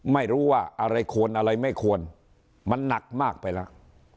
ไม่รู้ว่าอะไรควรอะไรไม่ควรมันหนักมากไปแล้ว